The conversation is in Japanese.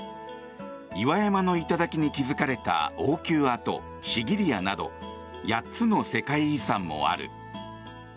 岩山の頂に築かれた王宮跡シギリヤなど８つの世界遺産もある。